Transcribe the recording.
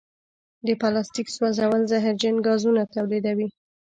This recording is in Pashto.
د پلاسټیک سوځول زهرجن ګازونه تولیدوي.